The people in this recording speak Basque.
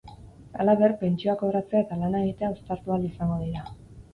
Halaber, pentsioa kobratzea eta lana egitea uztartu ahal izango dira.